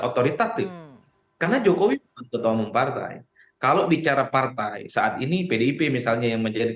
otoritatif karena jokowi partai kalau bicara partai saat ini pdip misalnya yang menjadi